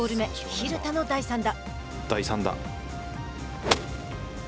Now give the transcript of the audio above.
蛭田の第３打。